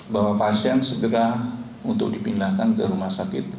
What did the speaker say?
bahwa pasien segera untuk dipindahkan ke rumah sakit